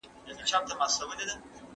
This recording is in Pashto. ما چي ول دا کور به ډېر ګران وي